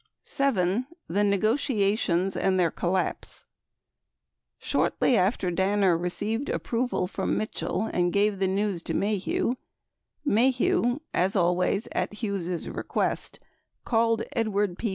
34 7. THE NEGOTIATIONS AND THEIR COLLAPSE Shortly after Danner received approval from Mitchell and gave the news to Maheu, Maheu — as always, at Hughes' request — called Ed ward P.